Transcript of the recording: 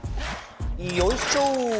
よいしょ！